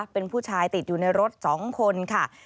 เป็นผู้ชายติดอยู่ในรถ๒คนค่ะ